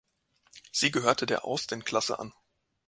Sie gehörte der Austin-Klasse an.